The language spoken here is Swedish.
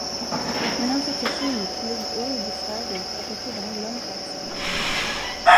Men han såg så fryntlig och obesvärad ut, att jag trodde han glömt alltsammans.